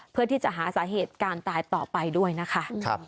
เพื่อที่จะหาสาเหตุการตายต่อไปด้วยนะคะ